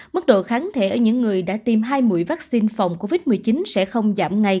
mức độ kháng thể ở những người đã tiêm hai mũi vaccine phòng covid một mươi chín sẽ không giảm ngay